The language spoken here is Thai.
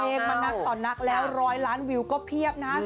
ปิดเพลงมานักต่อนักแล้วร้อยล้านวิวก็เพียบนะ